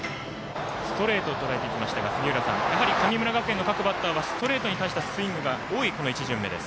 ストレートをとらえていきましたが、やはり神村学園の各バッターはストレートに対してはスイングが多い、この１巡目です。